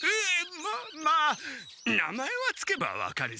ままあ名前は着けば分かるさ。